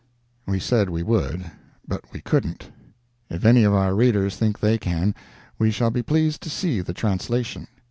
We said we would, but we couldn't. If any of our readers think they can, we shall be pleased to see the translation.